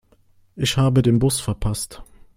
Ich habe den Bus verpasst.